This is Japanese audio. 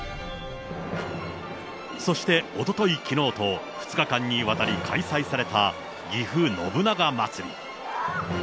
そしておととい、きのうと２日間にわたり開催されたぎふ信長まつり。